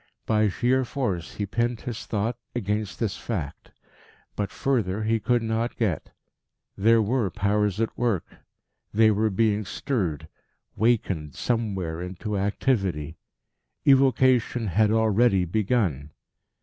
By sheer force he pinned his thought against this fact: but further he could not get. There were Powers at work; they were being stirred, wakened somewhere into activity. Evocation had already begun.